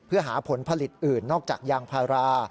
เพื่อหาผลผลิตอื่นนอกจากยางพารา